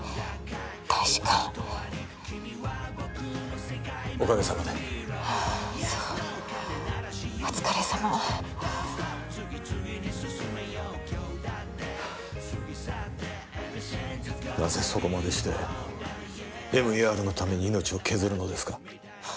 大使館おかげさまでそうお疲れさまなぜそこまでしてＭＥＲのために命を削るのですか？